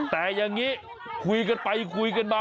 แต่อย่างนี้คุยกันไปคุยกันมา